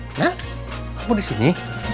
hah kamu disini